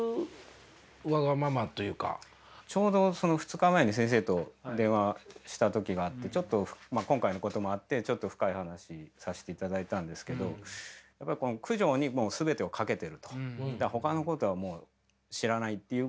ちょうど２日前に先生と電話した時があってちょっと今回のこともあってちょっと深い話させていただいたんですけどやっぱりっていうような話があって。